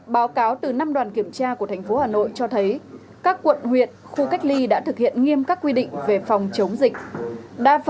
báo cáo từ năm đoàn kiểm tra của thành phố hà nội cho thấy các quận huyện khu cách ly đã thực hiện nghiêm các quy định về phòng chống dịch